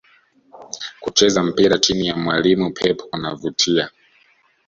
Kucheza mpira chini ya mwalimu Pep kunavutia